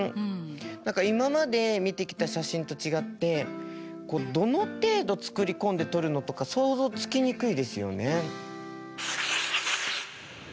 何か今まで見てきた写真と違ってどの程度作り込んで撮るのとか想像つきにくいですよね。